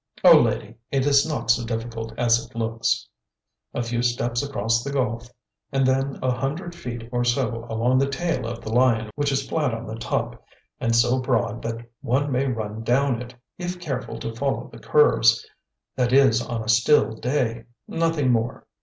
"O Lady, it is not so difficult as it looks. A few steps across the gulf, and then a hundred feet or so along the tail of the lion which is flat on the top and so broad that one may run down it if careful to follow the curves, that is on a still day—nothing more.